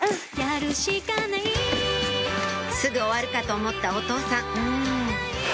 すぐ終わるかと思ったお父さんふぅ。